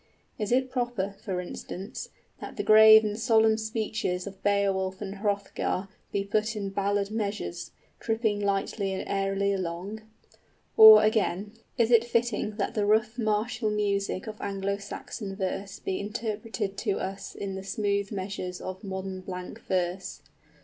Is it proper, for instance, that the grave and solemn speeches of Beowulf and Hrothgar be put in ballad measures, tripping lightly and airily along? Or, again, is it fitting that the rough martial music of Anglo Saxon verse be interpreted to us in the smooth measures of modern blank verse?